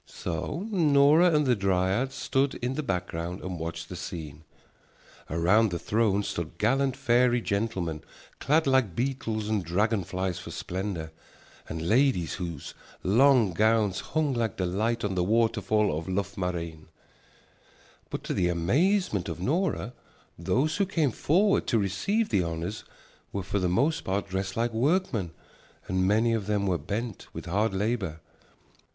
So Nora and the dryad stood in the background and watched the scene. Around the throne stood gallant fairy gentlemen clad like beetles and dragon flies for splendor and ladies whose long gowns hung like the light on the waterfall of Loughmareen. But to the amazement of Nora, those who came forward to receive the honors were for the most part dressed like workmen and many of them were bent with hard labor.